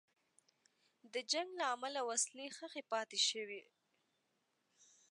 د جنګ له امله وسلې ښخي پاتې شوې.